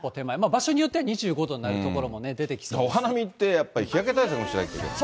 場所によっては２５度になる所もお花見って、やっぱり日焼け対策もしないといけない。